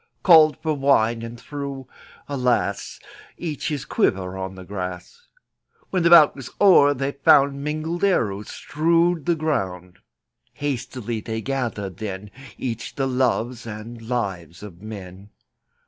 Called for wine, and threw — alas! — Each his quiver on the grass. When the bout was o'er they found Mingled arrows strewed the ground. Hastily they gathered then Each the loves and lives of men.